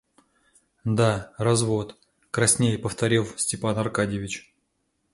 Да, развод, — краснея повторил Степан Аркадьич.